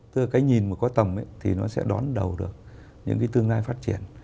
tức là cái nhìn mà có tầm ấy thì nó sẽ đón đầu được những cái tương lai phát triển